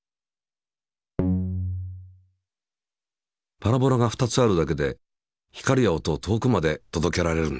パラボラが２つあるだけで光や音を遠くまで届けられるんだ。